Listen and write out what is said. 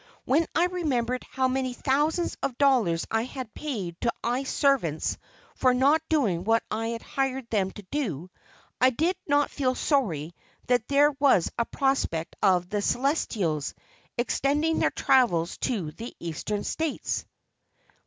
When I remembered how many thousands of dollars I had paid to "eye servants" for not doing what I had hired them to do, I did not feel sorry that there was a prospect of the "Celestials" extending their travels to the Eastern States.